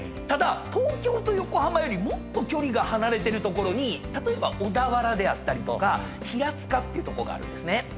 ただ東京と横浜よりもっと距離が離れてる所に例えば小田原であったりとか平塚っていうとこがあるんですね。